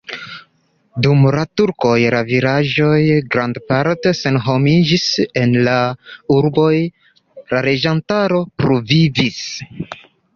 Dum la turkoj la vilaĝoj grandparte senhomiĝis, en la urboj la loĝantaro pluvivis.